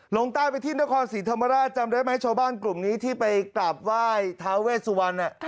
ลงใต้ไปที่นครศรีธรรมราชจำได้ไหมชาวบ้านกลุ่มนี้ที่ไปกราบไหว้ท้าเวสวรรณ